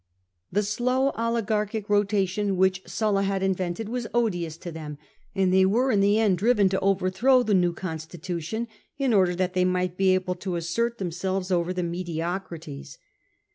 The slow oligarchic rotation, w^hich Sulla had invented, was odious to them, and they were in the end driven to overthrow the new constitution in order that they might be able to assert themselves over the FAILURE OF SULLA'S CONSTITUTION 159 mediocrities.